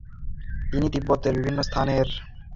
তিনি তিব্বতের বিভিন্ন স্থানের বৌদ্ধবিহারে যাত্রা করেন।